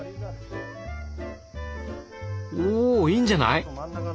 おいいんじゃない？